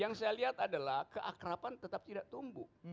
yang saya lihat adalah keakrapan tetap tidak tumbuh